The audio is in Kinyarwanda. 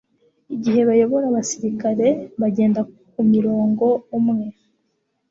igihe bayobora abasilikare bagenda ku mirongo umwe